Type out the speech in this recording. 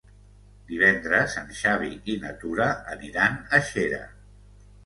Divendres en Xavi i na Tura aniran a Xera.